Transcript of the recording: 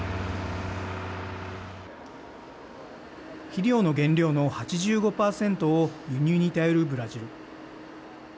肥料の原料の８５％を輸入に頼るブラジル。